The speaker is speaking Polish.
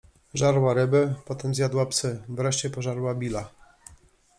żarła ryby.... Potem zjadła psy... Wreszcie pożarła Billa....